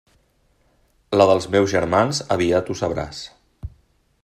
La dels meus germans aviat ho sabràs.